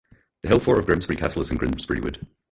The hill fort of Grimsbury Castle is in Grimsbury Wood.